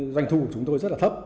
giành thù của chúng tôi rất là thấp